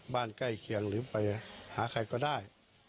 ใกล้เคียงหรือไปหาใครก็ได้